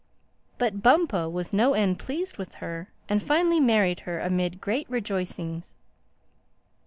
But Bumpo was no end pleased with her and finally married her amid great rejoicings.